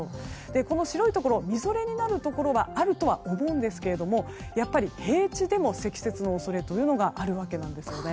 この白いところみぞれになるところがあるとは思うんですがやっぱり平地でも積雪の恐れがあるわけです。